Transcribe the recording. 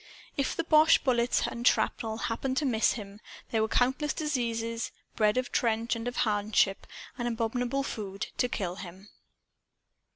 If the boche bullets and shrapnel happened to miss him, there were countless diseases bred of trench and of hardship and of abominable food to kill him.